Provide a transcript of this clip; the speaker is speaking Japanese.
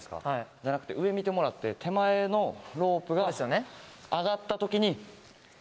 じゃなくて上見てもらって手前のロープが上がった時に入る。